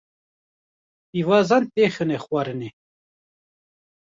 pîvazan têxine xwarinê